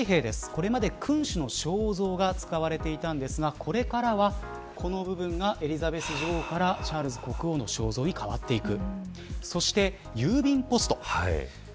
これまで君主の肖像が使われていたんですがこれからは、この部分がエリザベス女王からチャールズ国王の肖像に変わっていく。